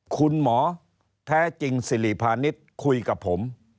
คุณหมอแท้จริงสิริพาณิชย์คุยกับผม